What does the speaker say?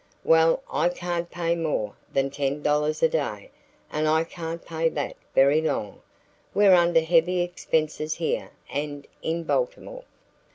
"Well, I can't pay more than $10 a day, and I can't pay that very long. We're under heavy expenses here and in Baltimore."